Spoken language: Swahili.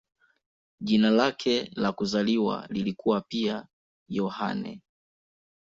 Jina lake la kuzaliwa lilikuwa pia "Yohane".